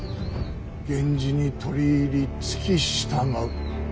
源氏に取り入り付き従う。